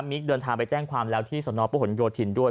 มิกเดินทางไปแจ้งความรัวที่สนประหลโยชน์ถิ่นด้วย